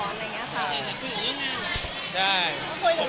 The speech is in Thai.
ไม่ได้งานคุยกันตลอด